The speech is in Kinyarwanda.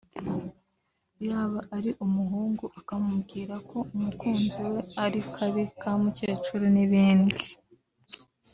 yaba ari umuhungu akamubwira ko umukunzi we ari kabi (ka mukecuru) n’ibindi